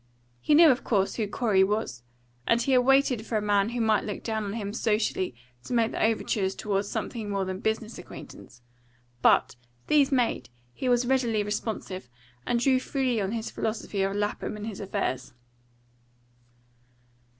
He knew, of course, who Corey was, and he had waited for a man who might look down on him socially to make the overtures toward something more than business acquaintance; but, these made, he was readily responsive, and drew freely on his philosophy of Lapham and his affairs.